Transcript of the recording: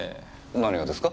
何がですか？